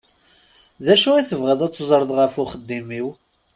D acu i tebɣiḍ ad teẓṛeḍ ɣef uxeddim-iw?